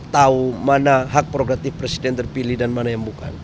tahu mana hak progratif presiden terpilih dan mana yang bukan